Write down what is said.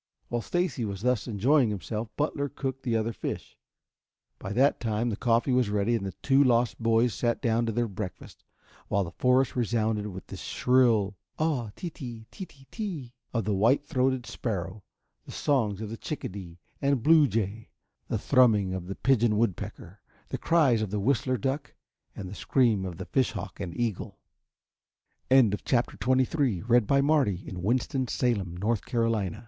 While Stacy was thus enjoying himself, Butler cooked the other fish. By that time the coffee was ready and the two lost boys sat down to their breakfast, while the forest resounded with the shrill "ah, te te, te te, te" of the white throated sparrow, the songs of the chickadee and blue jay, the thrumming of the pigeon woodpecker, the cries of the whistler duck and the scream of the fish hawk and the eagle. CHAPTER XXIV THE SIGNAL SMOKE There was silence in the camp until the last of the fi